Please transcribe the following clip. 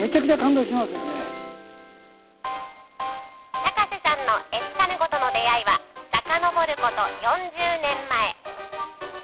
高瀬さんのエスカルゴとの出会いは、さかのぼること４０年前。